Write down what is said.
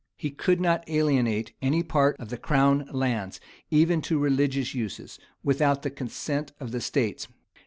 He could not alienate any part of the crown lands, even to religious uses, without the consent of the states.